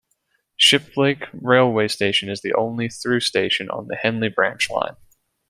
Shiplake railway station is the only through station on the Henley Branch Line.